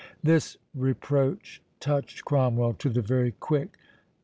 This reproach touched Cromwell to the very quick.